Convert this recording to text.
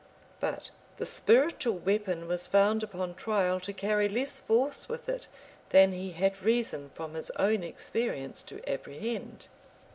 But the spiritual weapon was found upon trial to carry less force with it than he had reason from his own experience to apprehend.